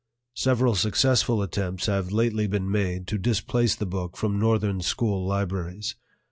Several successful attempts have lately been made to displace the book from Northern school libraries.